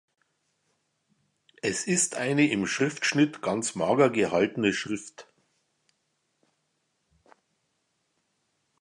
Es ist eine im Schriftschnitt ganz mager gehaltene Schrift.